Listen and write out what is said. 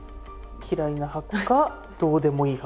嫌いな箱かどうでもいい箱。